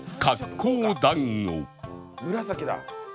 紫だ！